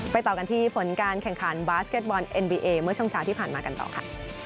ต่อกันที่ผลการแข่งขันบาสเก็ตบอลเอ็นบีเอเมื่อช่วงเช้าที่ผ่านมากันต่อค่ะ